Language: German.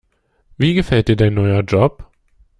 Wie gefällt dir dein neuer Job?